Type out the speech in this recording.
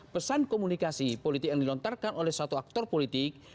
pesan komunikasi politik yang dilontarkan oleh satu aktor politik